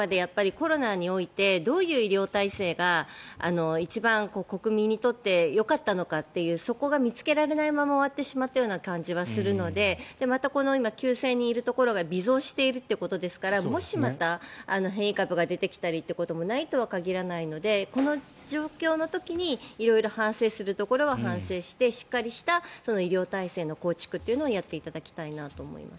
コロナにおいてどういう医療体制が一番、国民にとってよかったのかというそこが見つけられないまま終わってしまったような感じはするのでまた今、９０００人いるところが微増してるってことですからもしまた、変異株が出てきたりということもないとは限らないのでこの状況の時に色々反省するところは反省してしっかりした医療体制の構築というのをやっていただきたいなと思います。